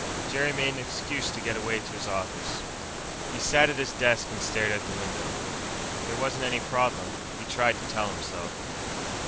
Jerry made an excuse to get away to his office. He sat at his desk and stared out the window. There wasn't any problem, he tried to tell himself.